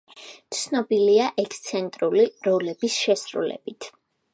ცნობილია ექსცენტრული როლების შესრულებით.